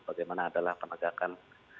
bagaimana adalah penegakan